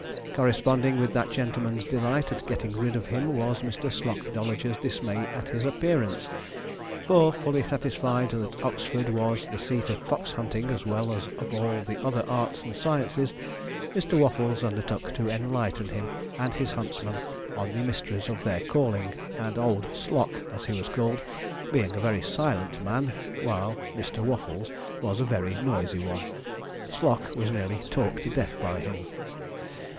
Corresponding with that gentleman's delight at getting rid of him was Mr. Slocdolager's dismay at his appearance, for fully satisfied that Oxford was the seat of fox hunting as well as of all the other arts and sciences, Mr. Waffles undertook to enlighten him and his huntsman on the mysteries of their calling, and 'Old Sloc,' as he was called, being a very silent man, while Mr. Waffles was a very noisy one, Sloc was nearly talked deaf by him.